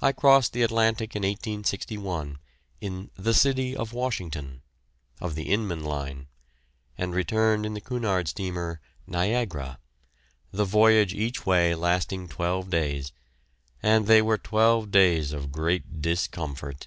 I crossed the Atlantic in 1861 in the "City of Washington," of the Inman Line, and returned in the Cunard steamer "Niagara," the voyage each way lasting twelve days, and they were twelve days of great discomfort.